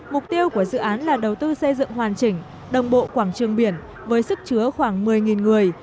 mục tiêu của dự án là đầu tư xây dựng hoàn chỉnh đồng bộ quảng trường biển với sức chứa khoảng một mươi người